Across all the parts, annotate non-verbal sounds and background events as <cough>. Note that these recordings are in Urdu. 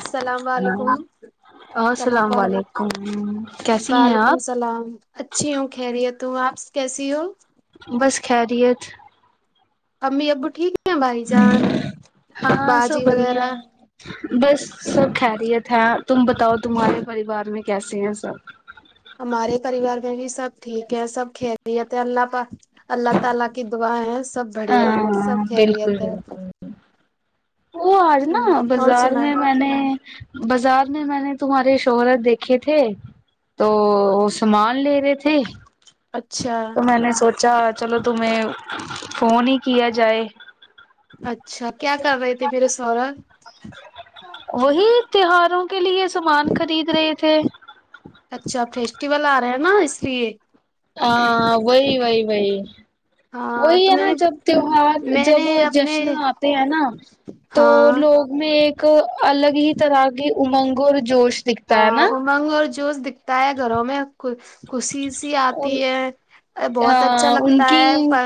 اسلام و علیکم اسلام السلام وعلیکم علیکم کیسی ہیں وعلیکم آپ السلام اچھی ہوں خیریت ہے تو آپ کیسی ہو بس خیریت امی ابو ٹھیک ہیں بھائی جان ہاں سب باجی بڑھیا وغیرہ ہے بس سب خیریت ہے تم بتاؤ تمہارے پریوار میں کیسے ہیں سب ہمارے پریوار میں بھی سب ٹھیک ہے سب کھیل خیریت اللہ پاک اللہ تعا لی کی ہاں ہاں سب بڑھیا ہے سب ہاں خیریت بالکل ہے بالکل وہ آج نا ہ اور بازار سنائے میں میں نے بازار میں میں نے تمہارے شوہرت دیکھے تھے تو وہ سامان لے رہے تھے اچھا تو میں نے سوچا چلو تمہیں فون ہی کیا جائے اچھا کیا کر رہے تھے میرے سورج وہی تیواروں کے لیے سامان خرید رہے تھے اچھا فیسٹیول آ رہا ہیں نا اس لیے ہاں وہی وہی ووہی ہاں وہی تو ہے میں نا نے جب تہوار میں نے جب اپنے جشن آتے ہیں نا تو ہاں لوگ میں ایک الگ ہی طرح کی امنگوں اور جوش دکھتا ہے ہاں نا امنگ اور جوش دکھتا ہے گھروں میں خوشی سی آتی ان ہے بہت اچھا ہاں ان لگتا کی ہے پر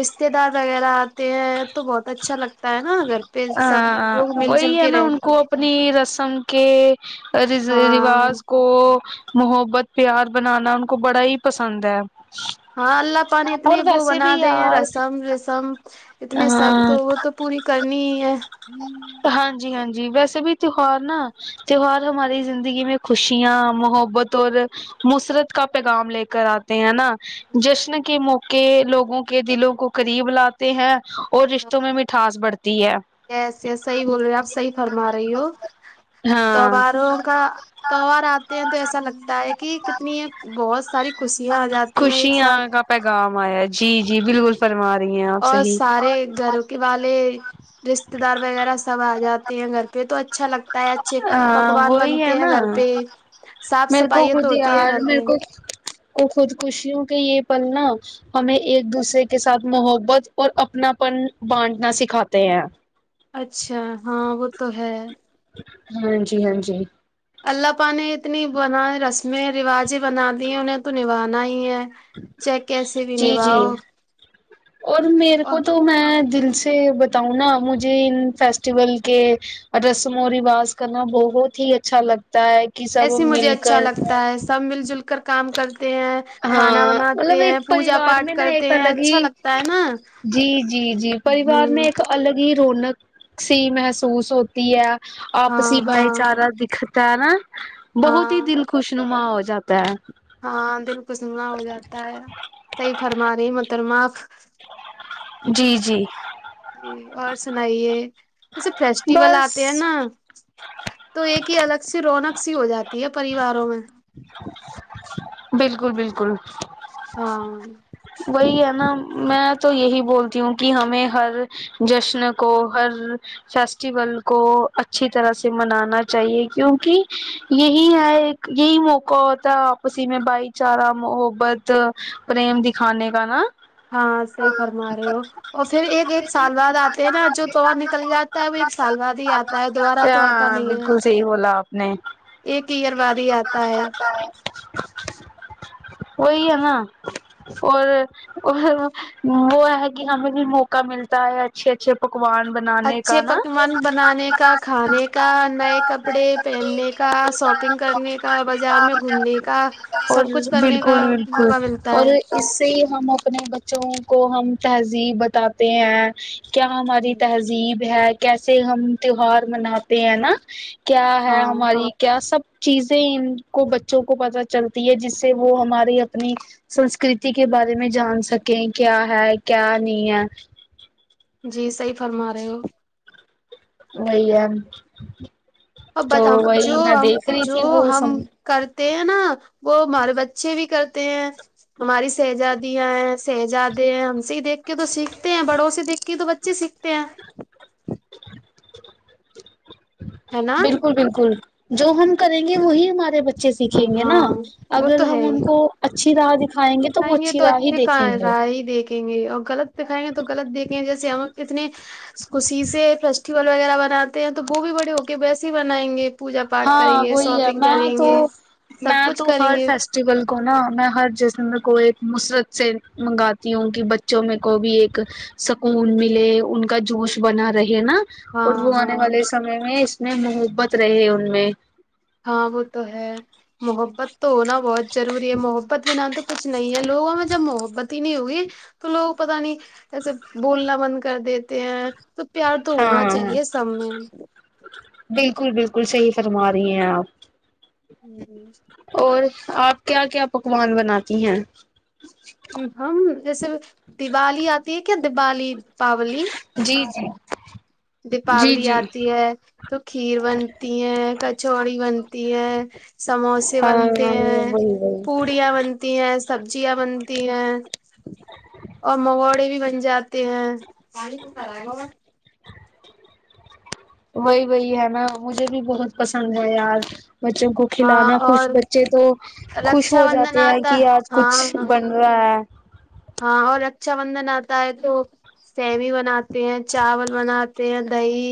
رشتے دار وغیرہ آتے ہیں تو بہت اچھا لگتا تا ہے نا گھر پہ سب ہاں لوگ مل جل وہی ہے کے نا ان رہتے کو ہیں اپنی رسم کے ہاں رواج کو کو محبت پیار بنانا ان کو بڑا ہی پسند ہے ہاں اللہ پانی اتنے اور وہ ویسے بنا بھی دے ہیں یار رسم رسم اتنے سب تو ہاں وہ تو پوری کرنی ہی ہے ہ ہاں جی ہاں جی ویسے بھی تہوار نا تیوار ہماری زندگی میں خوشیاں محبت اور مسرت کا پیغام لے کر آتے ہیں نا جشن کے موقع لوگوں کے دلوں کو قریب لاتے ہیں اور رشتوں میں مٹھاس بڑھتی ہے یس یس صحیح بول رہے آپ صحیح فرما رہی ہو ہاں تہواروں کا تہوار آتے ہیں تو ایسا لگتا ہے کہ کتنی بہت ساری خوشیاں آ جاتی ہیں ایک ساتھ خوشیاں کا پیغام آیا جی جی بالکل فرما رہی ہیں آپ صحیح ایک گھرک والے رشتے دار وغیرہ سب آ جاتے ہیں گھر پہ تو اچھا لگتا ہے اچھے ہاں پکوان وہی ہے بنتے ہیں نا گھر پہ صاف میرے کو صفائی تو خود ہوتی ہے یار گھر میرے میں کو کو خود خوشیوں کے یہ پل نا ہمیں ایک دوسرے کے ساتھ محبت اور اپناپن بانٹنا سکھاتے ہیں اچھا ہاں وہ تو ہے ہاں جی ہاں جی الله پاک نے اتنی بن رسمیں رواجیں بنا دی ہیں انہیں تو نبھانا ہی ہے چاہ کیسے بھی جی جی نباؤ اور میرے کو تو میں دل سے بتاؤں نا مجھے ان فیسٹیول کے اور رسم و رواج کرنا بہت ہی اچھا لگتا ہے کہ سب ایسے مجھے مل اچھا کر لگتا ہے سب مل جل کر کام کرتے ہیں کھانا ہاں مطلب بناتے ہیں ایک پوجا پریوار پاٹ میں نا کرتے ایک ہیں الگ ہی اچھا لگتا ہے نا جی جی جی پریوار نے ہ ایک الگ رونق سی محسوس ہوتی ہے ہاں آپسی بھائی ہاں چارہ دیکھتا ہے نا بہت ہی ہاں دل خوش نما ہو جاتا ہے ہاں دل خوش نما ہو جاتا ہے صحیح فرما رہی ہے محترمہ اپ جی جی جی اور سنائیے ایسے فیسٹیول بس آتے ہیں نا تو ایک ہی الگ سی رونق سی ہو جاتی ہے پریواروں میں بالکل بالکل ہاں وہی ہے نا میں تو یہی بولتی ہوں کہ ہمیں ہر جشن کو ہر فیسٹیول کو اچھی طرح سے منانا چاہیے کیونکہ یہی ہے یہی موقع ہوتا ہے آپسی ہی میں بھائی چارہ محبت پریم د کھانے کا نا ہاں صحیح فرما رہے ہو اور پھر ایک ایک سال بعد آتے ہیں نا جو توور نکل جاتا ہے وہ ایک سال بعد ہی آتا تائے دوبارہ تو آتا ہاں نہیں ہے بالکل صحیح بولا آپ نے ایک ایئر بعد ہی آتا ہے وہی ہے نا اور اور وہ ہے کہ ہمیں بھی موقع ملتا ہے اچھے اچھے پکوان بنانے کا اچھے نا پکوان بنانے کا کھانے کا نئے کپڑے پہننے کا شاپنگ کرنے کا بازار میں گھومنے کا سب کچھ کرنے کا ہاں موقع ملتا اور ہے اس سے ہی ہم اپنے بچوں کو ہم تہذیب بتاتے ہیں کیا ہماری تہذیب ہے کیسے ہم تہوار مناتے ہیں نا کیا ہے ہاں ہماری کیا سب چیزیں ان کو بچوں کو پتہ چلتی ہے جس سے وہ ہماری اپنی سنسکرتی کے بارے میں جان سکیں کیا ہے کیا نہیں ہے جی صحیح فرما رہے ہو وہی ہے تو اور ہم وہی جو میں ہم دیکھ رہی جو تھی وہ س ہم کرتے ہیں نا وہ ہمارے بچے بھی کرتے ہیں ہماری شہزادیاں ہیں شہزادے ہیں ہم سے ہی دیکھ کے تو سیکھتے ہیں بڑوں سے دیکھ کے کہ تو بچے سیکھتے ہیں ہے نا بالکل بالکل جو ہم کریں گے وہی ہمارے بچے سیکھیں گے نا ہاں وہ اگر تو ہے ہم ہی ان کو اچھی راہ د کھائیں گے تو وہ اچھی راہ ہی اچھے کا دیکھیں گے راہ ہی دیکھیں گے اور غلط دکھائیں گے تو غلط دیکیں گے جیسے ہم کتنے خوشی سے فیسٹیول وغیرہ بناتے ہیں تو وہ بھی بڑے ہو کے ویسے ہی منائیں گے پوجا پاٹھ کریں ہاں گے وہی ہے شاپنگ میں کریں تو گے سب میں کچھ تو کریں ہر گے فیسٹیول کو نا میں ہر جسم کو ایک مصرت سے منگاتی ہوں کہ بچوں میں کو بھی ایک سکون ملے ان کا جوش بنا رہے نا اور وہ ہاں ہاں آنے والے سمے میں اس میں محبت رہے ان میں ہاں وہ تو ہے محبت تو ہونا بہت ضروری ہے محبت میں ن تو کچھ نہیں ہے لوگوں میں جب محبت ہی نہیں ہوگی تو لوگ پتا نہیں ایسے بولنا بند کر دیتے ہیں تو پیار تو ہونا ہاں چاہیے سب میں میں بالکل بالکل صحیح فرما رہی ہیں آپ ہوں اور آپ کیا کیا پکوان بناتی ہیں ہم جیسے دیوالی آتی ہے کیا دیوالی دیپاولی جی جی جی دیپاولی جی آتی ہے تو کھیر بنتی ہے کچوڑی بنتی ہے سموسے ہاں بنتے ہیں وہی وہی پوڑیا بنتے ہیں سبزیاں بنتی ہیں اور مگوڑے بھی بن جاتے تی ہے <unintelligible> پانی گا وہی وہی ہے میں مجھے بھی بہت پسند ہے یار بچوں کو کھلانا ہاں کوھ اور بچے تو خوش رکشا ہو بندھن جاتے ہیں آتا کہ آج ہاں کچھ بن رہا ہے ہاں اور رکشا بندھن آتا ہے تو سیوی بن تی ہیں چاول بناتے ہیں دہی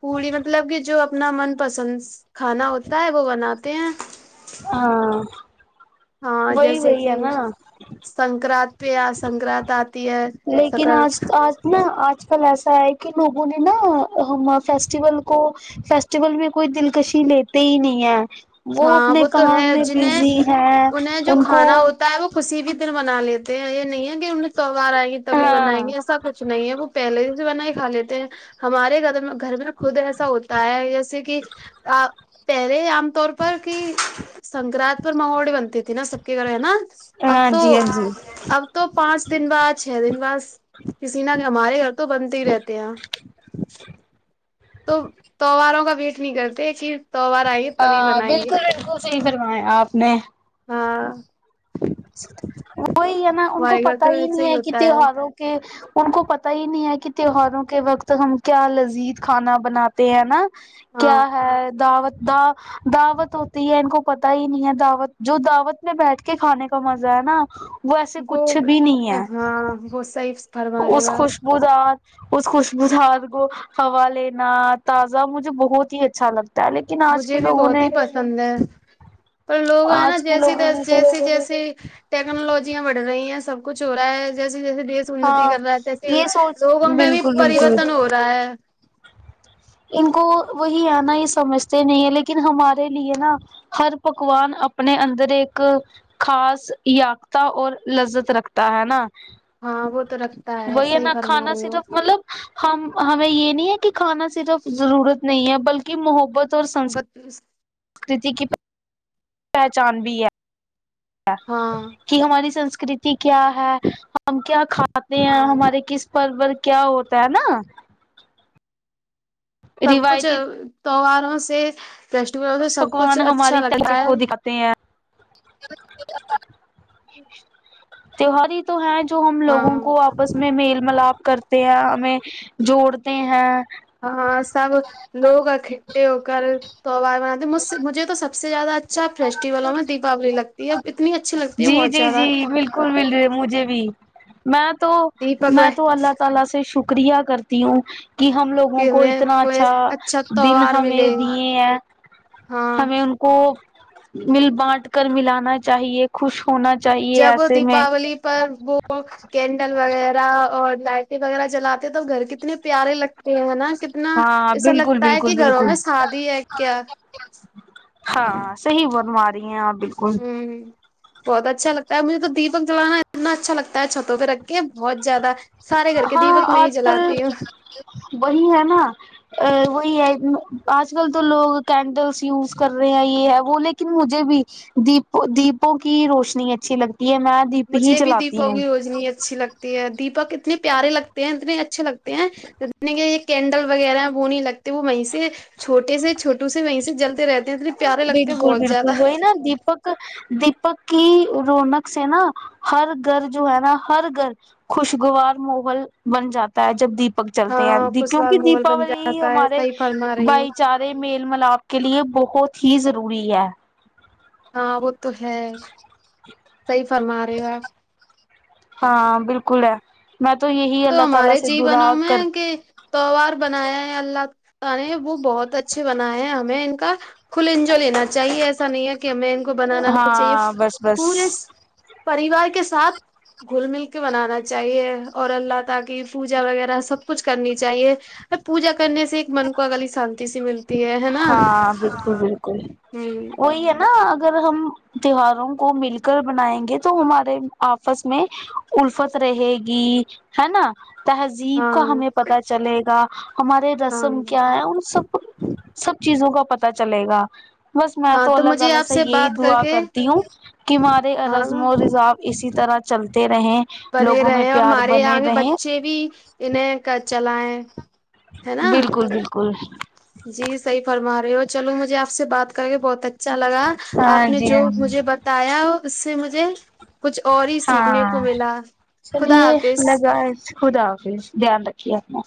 پوڑی مطلب کہ جو اپنا من پسند کھانا ہوتا ہے وہ بناتے ہیں ہاں ہاں وہی جیسے وہی کہ ہے نا سنکرات پ سنکرانت آتی ہے سکر نہ آج کل ایسا ہے کہ لوگوں نے نا ہم فیسٹیول کو فیسٹیول میں کوئی دلکشی لیتے ہی نہیں ہے وہ ہاں اپنے تو کام ہے میں جنہیں بزی ہے انہیں جو ان کو کھانا ہوتا ہے وہ کسی بھی دن بنا لیتے ہیں یہ نہیں ہے کہ ان نے کار آئیں گے تبھی بنائیں ہاں گے ایسا کچھ نہیں ہے وہ پہلے ہی سے بنا ہی کھا لیتے ہیں ہمارے گھر گھر میں خود ایسا ہوتا ہے جیسے کہ پہرے عام طور پر کی سنکرانت پر محوڑی بنتی تھی نا سب کے گھر ہے نا اب ہاں تو جی ہاں جی اب تو پانچ دن بعد چھ دن بعد کسی نہ ہمارے گھر تو بنتے ہی رہتے ہیں تو توواروں کا ویٹ نہیں کرتے کہ تہوار آئیں گے ہ تبھی بنائیں گے بالکل بالکل صحیح فروایا آپ نے ہاں وہی ہے نا ان کو ہمارے گھر پتا تو ہی نہیں ویسے ہے کہ ہوتا تہواروں کے ان کو پتا ہی نہیں ہے کہ تہواروں کے وقت ہم کیا لذیذ کھانا بناتے ہیں نا کیا ہاں ہے دعوت دا دعوت ہوتی ہے ان کو پتا ہی نہیں ہے دعوت جو دعوت میں بیٹھ کے کھانے مزہ ہے نا وہ ایسے کچھ وہ بھی نہیں ہے ہاں وہ سیف اس خوشبو دار اس خوشبو سار کو ہوا لینا تازہ مجھے بہت ہی اچھا لگتا ہے لیکن آج مجھے کے بھی لوگوں بہت نے ہی پسند ہے پر لوگ ہیں نا آج کے جیسی لوگوں نے تو جیسی جیسی ٹیکنالوجیاں بڑھ رہی ہیں سب کچھ ہو رہا ہے جیسے جیسے دیش انتی ہاں کر رہا ہے تیسے یہ سوچ لوگوں میں بھی بالکل بالکل پریورتن ہو رہا ہے ان کو وہی آنا یہ سمجھتے نہیں ہیں لیکن ہمارے لیے نا ہر پکوان اپنے اندر ایک خاص یاقتا اور لذت رکھتا ہے نا ہاں وہ تو رکھتا وہی ہے صحیح نا فرما کھانا رہے ہو صرف مطلب ہم ہمیں یہ نہیں ہے کہ کھانا صرف ضرورت نہیں ہے بلکہ محبت اورکسکتی کی پہچان بھی ہے ہاں کہ ہماری سنسکرتی کیا ہے ہم کیا کھاتے ہیں ہمارے کس پر کیا ہوتا ہے نا سب کچھ روایتی تہواروں سے فیسٹیولوں سے سب کچھ اچھا لگتا ہے تی ہے جی تہوار ہی تو ہے جو ہم لوگوں کو آس میں میل ملاپ کرتے ہیں ہمیں جوڑتے ہیں ہاں سب لوگ اکٹھے ہو کر تووار بناتےجھ مجھے تو سب سے زیادہ اچھا فیسٹیولوں میں دیپاولی لگتی ہے اتنی اچھی لگتی ہے جی بہت جی زیادہ جی بالکل مل رہی مجھے بھی میں تو میں تو اللہ تعالی سے شکریہ کرتی ہوں کہ ہم لوگوں کہ کو ہمیں اتنا کوئی اچھا اچھا دن تہوار ہمیں ملے دیے ہیں ہاں ہمیں ان کو مل بانٹ کر ملانا چاہیے خوش ہونا چاہیے جب ایسے میں دیپاولی پر وہ کینڈل وغیرہ اور لائٹیں وغیرہ جلاتے تو گھر کتنے پیارے لگتے ہیں نا کتنا ہاں ایسا بالکل لگتا ہے کہ بالکل گھروں بالکل میں شادی ہے کیا ہاں صحیح بنوا رہی ہیں آپ بال ہوں بہت اچھا لگتا ہے مجھے تو دیپک جلانا اتنا اچھا لگتا ہے چھتوں پے رکھ کے بہت زیادہ سارے گھر کے ہاں دیپک میں ہی آج کل جلاتی ہوں وہی ہے نا وہی ہے آج کل تو لوگ کینڈلس یوز کر رہے ہیں یہ ہے وہ لیکن مجھے بھی دیپ دیپوں کی روشنی اچھی لگتی ہے میں دیپ ہی مجھے بھی جلاتی دیپوں ہوں کی روجنی اچھی لگتی ہے دیپک اتنے پیارے لگتے ہیں اتنے اچھے لگتے ہیں دنے یہ کینڈل وغیرہ وہ نہیں لگتے وہ وہیں سے چھوٹے سے چھوٹو سے وہیں سے جلتے رہتے ہیں اتنے پیارے لگتے ہیں بالکل بہت زیادہ بالکل وہی نا دیپک دیپک کی رونق سے نا ہر گھر جو ہے نا ہر گھر خوشگوار موغل بن جاتا جب دیپک چلتے ہیں ہاں کچھ بار کیونکہ مغل بن دیپاولی ہی جاتا ہے ہمارے صحیح فرما رہی ہو بھائی چار میل ملاپ کے لیے بہت ہی ضروری ہے ہاں وہ تو ہے صحیح فرما رہے ہو آپ ہاں بالکل ہے میں تو یہی اللہ تعالی سے درا کر تہوار بنایا ہے اللہ تعالی نے وہ بہت اچھے بناائے ہیں ہمیں ان کا فل انجوائے لینا چاہیے ایسا نہیں ہے کہ ہمیں ان کو بنانا نہیں چاہیے ہاں بس بس پورے پریوار کے ساتھ گل مل کے بنانا چاہیے اور اللہ ت کی پوجا وغیرہ سب کچھ کرنی چاہیے پوجا کرنے سے ایک من کو اگلی شانتی سے ملتی ہے ہے نا ہاں بالکل بالکل ہوں وہی ہے نا نا اگر ہم تہواروں کو مل کر بنائیں گے تو ہمارے آپس میں الرفت رہے گی ہے نا تہذیب کا ہاں ہمیں پتا چلے گا ہمارے ہاں رسم کیا ہے ان سب سب چیزوں کا پتا چلے گا بس میں ہاں تو اللہ مجھے تعالی آپ سے یہی بات کر دعا کے کرتی ہوں کہ ہمارے ہاں رضم و رضااب اسی طرح چلتے رہے بنے رہے ہیں اور ہمارے یہاں کے بچے بھی انہیں کا چلائ ہے نا بالکل بالکل جی صحیح فرما رہے ہو چلو مجھے آپ سے بات کر کے بہت اچھا اچھا لگا ہاں آپ نے جی جو ہاں جی مجھے بتایا اس سے مجھے کچھ اور ہی سیکھنے کو ہاں ملا خدا چلیے حافظ لگائے خدا حافظ دھیان رکھیے اپنا